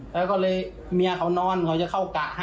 แล้วก็เลยเมียเขานอนเขาจะเข้ากะให้